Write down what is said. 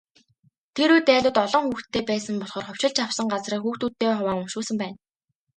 Тэр үед, айлууд олон хүүхэдтэй байсан болохоор хувьчилж авсан газраа хүүхдүүддээ хуваан өмчлүүлсэн байна.